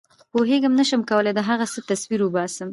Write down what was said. پوهېږم نه شم کولای د هغه څه تصویر وباسم.